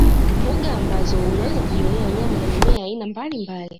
Mbuga ambazo unaweza kujionea wanyama na mimea ya aina mbalimbali